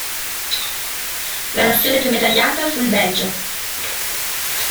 La nazione più medagliata fu il Belgio.